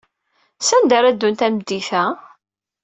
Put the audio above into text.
Sanda ara ddun tameddit-a?